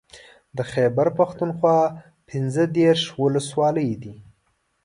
د خېبر پښتونخوا پنځه دېرش ولسوالۍ دي